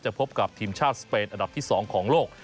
พบกับทีมชาติสเปนอันดับที่๒ของโลก